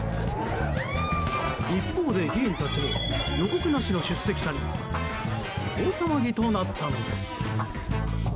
一方で議員たちも、予告なしの出席者に大騒ぎとなったのです。